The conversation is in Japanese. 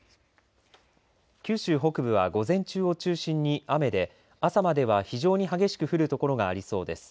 九州北部は午前中を中心に雨で朝までは非常に激しく降る所がありそうです。